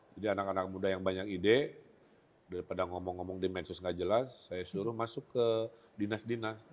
jadi anak anak muda yang banyak ide daripada ngomong ngomong dimensus nggak jelas saya suruh masuk ke dinas dinas